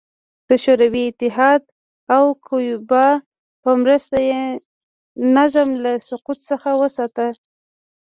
د شوروي اتحاد او کیوبا په مرسته یې نظام له سقوط څخه وساته.